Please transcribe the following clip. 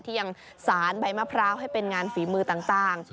ยังสารใบมะพร้าวให้เป็นงานฝีมือต่าง